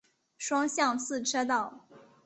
双向四车道。